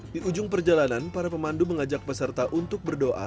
di ujung perjalanan para pemandu mengajak peserta untuk berdoa